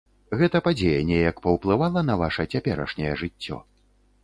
Гэта падзея неяк паўплывала на ваша цяперашняе жыццё?